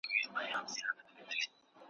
ټلفون ته یې زنګ راغی د مېرمني ,